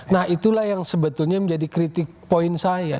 nah itulah yang sebetulnya menjadi kritik poin saya